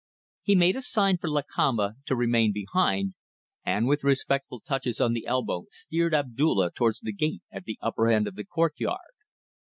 He made a sign for Lakamba to remain behind, and with respectful touches on the elbow steered Abdulla towards the gate at the upper end of the court yard.